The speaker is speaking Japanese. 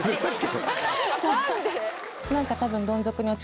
何で？